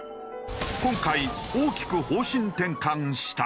今回大きく方針転換した。